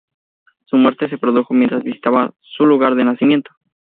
Su muerte se produjo mientras visitaba su lugar de nacimiento.